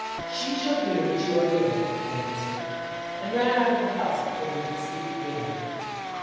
"She shall hear that you are ill," I answered and ran out of the room before he could speak again.